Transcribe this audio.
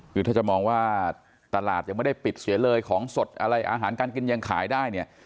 คือถ้าจะมองว่าตลาดยังไม่ได้ปิดเสียเลยของสดอะไรอาหารการกินยังขายได้เนี่ย